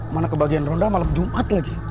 mana kebagian ronda malam jumat lagi